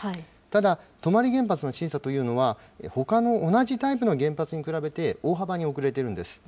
ただ、泊原発の審査というのは、ほかの同じタイプの原発に比べて大幅に遅れているんです。